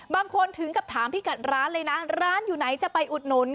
ถึงกับถามพี่กัดร้านเลยนะร้านอยู่ไหนจะไปอุดหนุน